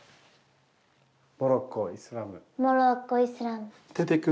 モロッコイスラム。